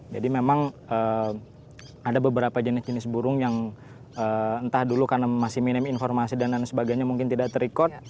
jadi memang ada beberapa jenis jenis burung yang entah dulu karena masih minim informasi dan lain sebagainya mungkin tidak terikut